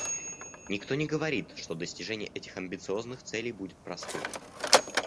Никто не говорит, что достижение этих амбициозных целей будет простым.